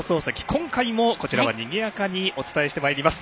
今回もこちらは、にぎやかにお伝えしてまいります。